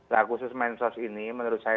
nah khusus mensos ini menurut saya